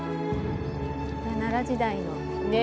奈良時代の。ねえ。